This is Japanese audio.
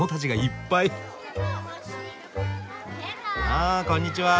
あこんにちは。